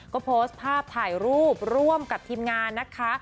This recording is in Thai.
ก็โพสต์ภาพถ่ายรูปร่วมกับทีมงานนะคะ